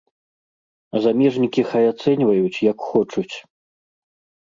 А замежнікі хай ацэньваюць, як хочуць.